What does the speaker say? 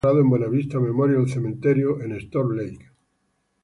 Peterson fue enterrado en Buena Vista Memorial Cemetery en Storm Lake.